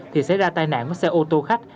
thì xảy ra tai nạn với xe ô tô khách